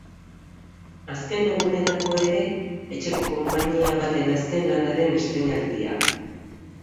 Azken egunerako ere, etxeko konpainia baten azken lanaren estreinaldia.